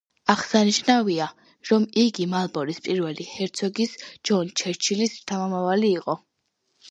აღსანიშნავია, რომ იგი მალბოროს პირველი ჰერცოგის, ჯონ ჩერჩილის შთამომავალი იყო.